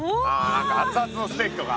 何か熱々のステーキとか。